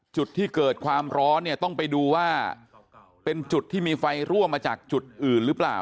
จุดที่เกิดความร้อนเนี่ยต้องไปดูว่าเป็นจุดที่มีไฟรั่วมาจากจุดอื่นหรือเปล่า